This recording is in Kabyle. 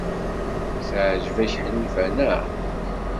Teɛjeb-ak Ḥnifa, naɣ?